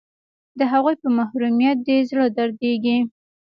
د هغوی په محرومیت دې زړه دردیږي